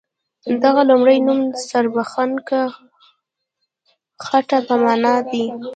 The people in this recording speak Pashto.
د هغه لومړی نوم سریښناکه خټه په معنا دی.